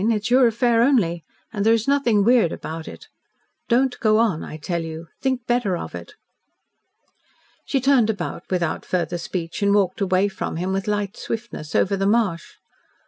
It is your affair only and there is nothing weird about it. Don't go on, I tell you. Think better of it." She turned about without further speech, and walked away from him with light swiftness over the marsh.